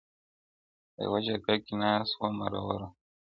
په یوه جرګه کي ناست وه مروروه-